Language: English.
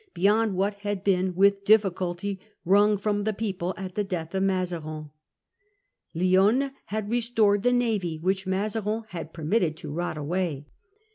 beyond what had been with difficulty wrung from J.he people at the death of Mazarin. Lionne had *667. Energy of Louis. 143 restored the navy, which Mazarin had permitted to rot away.